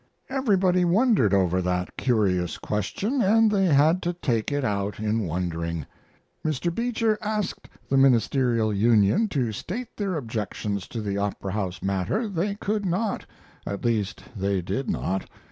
Everybody wondered over that curious question, and they had to take it out in wondering. Mr. Beecher asked the Ministerial Union to state their objections to the Opera House matter. They could not at least they did not.